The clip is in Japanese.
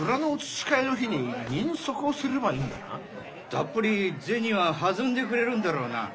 ・たっぷり銭は弾んでくれるんだろうな？